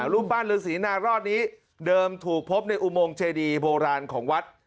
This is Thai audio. รูปปั้นฤษีนารอดนี้เดิมถูกพบในอุโมงเจดีโบราณของวัด